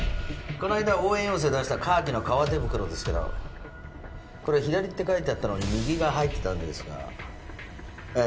この間応援要請出したカーキの革手袋ですけどこれ左って書いてあったのに右が入ってたんですがええ